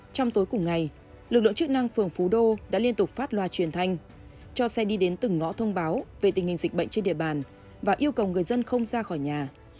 trong tối cùng ngày lực lượng chức năng phường phú đô đã liên tục phát loa truyền thanh cho xe đi đến từng ngõ thông báo về tình hình dịch bệnh trên địa bàn và yêu cầu người dân không ra khỏi nhà